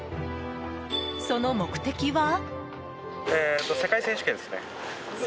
その目的は。